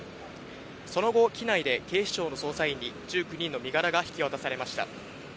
その後、機内で警視庁の捜査員に１９人の身柄が引き渡されました。